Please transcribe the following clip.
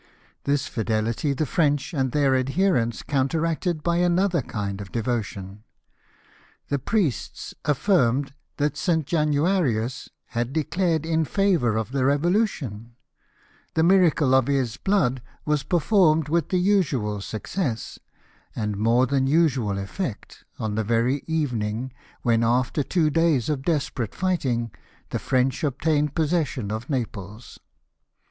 This fidelity the French and their adherents counteracted by another kmd of devotion. The priests affirmed that St. Januarius had declared in favour of the Eevolution ; the miracle of his blood was performed with the usual success and more than usual effect on the very evening when, after two days of desperate fighting, the French obtained possession of Naples.